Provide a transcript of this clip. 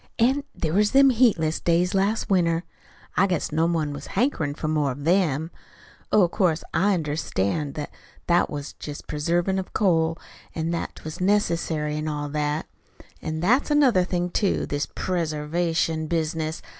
An' there was them heatless days last winter I guess no one was hankerin' for more of THEM. Oh, 'course I understand that that was just preservation of coal, an' that 'twas necessary, an' all that. An' that's another thing, too this preservation business.